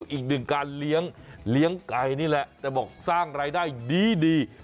อีกหนึ่งการเลี้ยงไก่นี่แหละแต่บอกสร้างรายได้ดี